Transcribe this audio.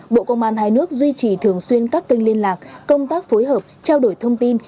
bộ công an hai nước duy trì thường xuyên các kênh liên lạc công tác phối hợp trao đổi thông tin